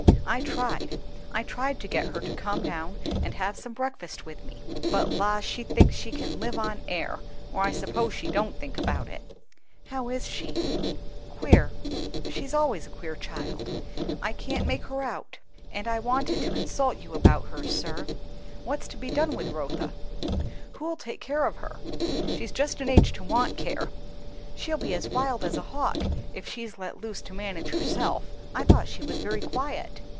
I tried; I tried to get her to come down and have some breakfast with me; but la! she thinks she can live on air; or I suppose she don't think about it." "How is she?" "Queer. She is always a queer child. I can't make her out. And I wanted to consult you about her, sir; what's to be done with Rotha? who'll take care of her? She's just an age to want care. She'll be as wild as a hawk if she's let loose to manage herself." "I thought she was very quiet."